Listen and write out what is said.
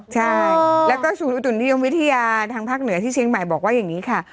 ใช่แล้วก็ศูนย์อุตุนิยมวิทยาทางภาคเหนือที่เชียงใหม่บอกว่าอย่างนี้ค่ะ